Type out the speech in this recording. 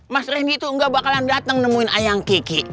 mas rendiku tuh nggak bakalan dateng nemuin ayang kiki